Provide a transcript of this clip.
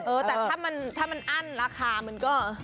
เออแต่ถ้ามันอั้นราคามันก็